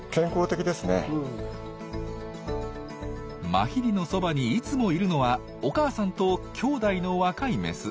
マヒリのそばにいつもいるのはお母さんときょうだいの若いメス。